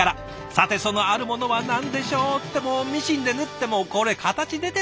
さてそのあるものは何でしょう？ってもうミシンで縫ってもうこれ形出てるかな？